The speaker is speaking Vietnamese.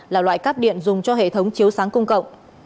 là loại cắp điện dùng cho hệ thống chiếu sáng công cộng